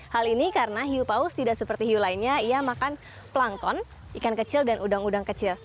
hal ini karena hiu paus tidak seperti hiu lainnya ia makan plankton ikan kecil dan udang udang kecil